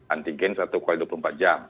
antigen satu x dua puluh empat jam